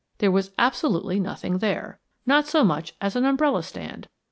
There was absolutely nothing there not so much as an umbrella stand.